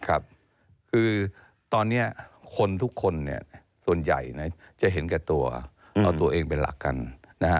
คือตอนนี้คนทุกคนเนี่ยส่วนใหญ่จะเห็นแก่ตัวเอาตัวเองเป็นหลักกันนะฮะ